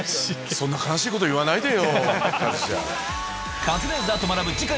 そんな悲しいこと言わないでよ。